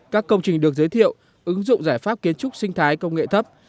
các công trình được giới thiệu ứng dụng giải pháp kiến trúc sinh thái công nghệ thấp